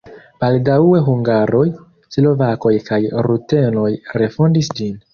Baldaŭe hungaroj, slovakoj kaj rutenoj refondis ĝin.